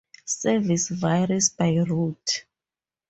Service varies by route.